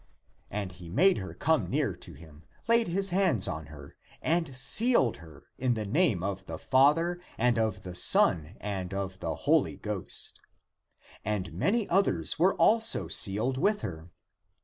And he made her come near to him, laid his hands on her, and sealed her in the name of the Father and of the Son and of the Holy Ghost. And many others were also sealed with her.